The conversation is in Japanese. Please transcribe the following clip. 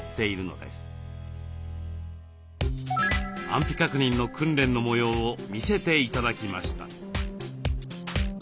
安否確認の訓練の模様を見せて頂きました。